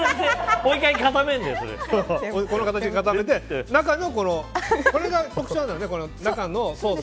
この形に固めて中が特徴なんだよね。